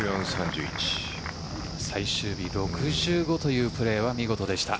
最終日６５というプレーは見事でした。